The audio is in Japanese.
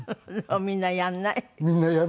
みんなやらないし。